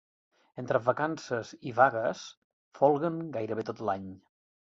Entre vacances i vagues, folguen gairebé tot l'any.